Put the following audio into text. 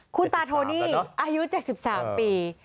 คุณตาโทนี่อายุ๗๓ปี